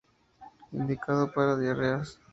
Indicado para diarreas.